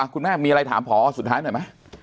คุณแม่มีอะไรถามพอสุดท้ายหน่อยไหม